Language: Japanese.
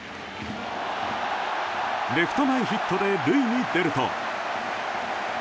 レフト前ヒットで塁に出ると。